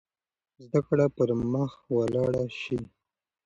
زده کړه به پرمخ ولاړه شي.